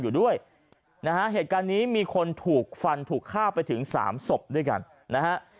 อยู่ด้วยนะฮะเหตุการณ์นี้มีคนถูกฟันถูกฆ่าไปถึงสามศพด้วยกันนะฮะ